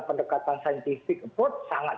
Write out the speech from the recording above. pendekatan saintifik sangat